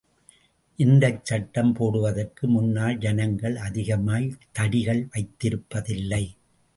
இந்தச்சட்டம் போடுவதற்கு முன்னால் ஜனங்கள் அதிகமாய்த் தடிகள் வைத்திருப்பதில்லை.